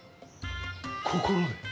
心で。